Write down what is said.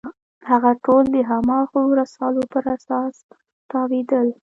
هغه ټول د هماغو رسالو پر اساس تاویلېدل.